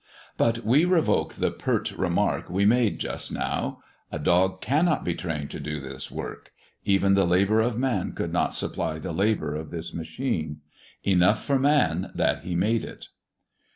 But we revoke the pert remark we made just now. A dog cannot be trained to do this work; even the labour of man could not supply the labour of this machine. Enough for man that he made it.